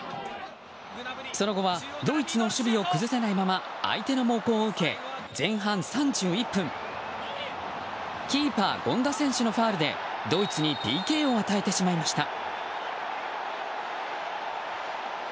その後はドイツの守備を崩せないまま相手の猛攻を受け前半３１分キーパー、権田選手のファウルでドイツにＰＫを与えてしまいました。